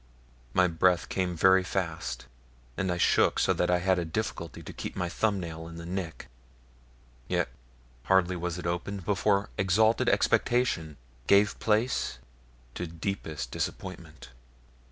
My breath came very fast, and I shook so that I had a difficulty to keep my thumbnail in the nick, yet hardly was it opened before exalted expectation gave place to deepest disappointment.